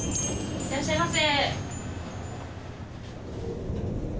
・いらっしゃいませ。